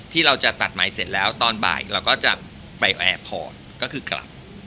ที่เราจะตัดใหม่เสร็จแล้วตอนบ่ายเราก็จะไปแอร์พอร์ตก็คือกลับ